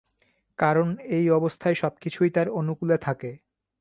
কারণ এই অবস্থায় সবকিছুই তার অনুকূলে থাকে।